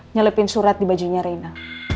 nyelipin surat di bajunya reina